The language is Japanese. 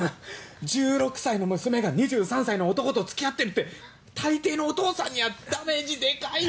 １６歳の娘が２３歳の男と付き合ってるって大抵のお父さんにはダメージでかいよ。